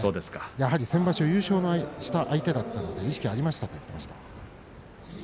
やはり先場所優勝した相手だっただけに意識はありましたと言っていました。